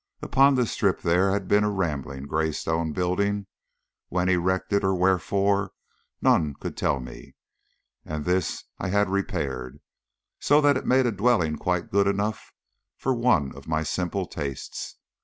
Upon this strip there had been a rambling, grey stone building when erected or wherefore none could tell me and this I had repaired, so that it made a dwelling quite good enough for one of my simple tastes.